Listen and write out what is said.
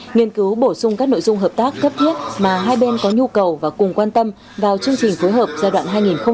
nghiên cứu bổ sung các nội dung hợp tác cấp thiết mà hai bên có nhu cầu và cùng quan tâm vào chương trình phối hợp giai đoạn hai nghìn một mươi sáu hai nghìn hai mươi năm